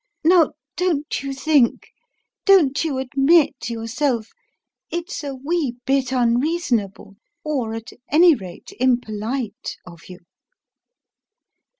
Now, don't you think don't you admit, yourself, it's a wee bit unreasonable, or at any rate impolite, of you?"